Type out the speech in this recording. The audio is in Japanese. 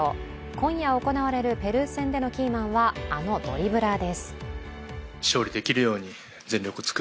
今夜行われるペルー戦でのキーマンは、あるドリブラーです。